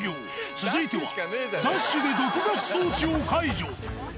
続いては、ダッシュで毒ガス装置を解除。